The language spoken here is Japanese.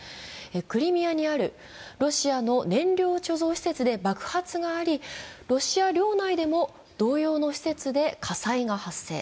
クリミアにあるロシアの燃料貯蔵施設で爆発があり、ロシア領内でも同様の施設で火災が発生。